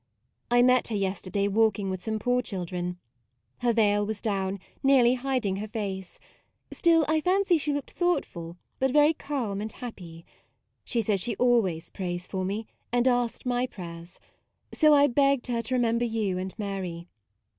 I met her yester day walking with some poor children. Her veil was down, nearly hiding her face ; still I fancy she looked thought ful, but very calm and happy. She says she always prays for me, and asked my prayers ; so I begged her to remember you and Mary.